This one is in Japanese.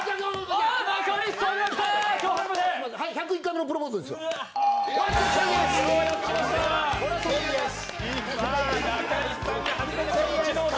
「１０１回目のプロポーズ」ですよ、よし！